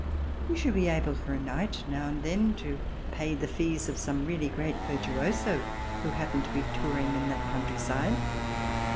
We should be able for a night now and then to pay the fees of some really great virtuoso who happened to be touring in that countryside.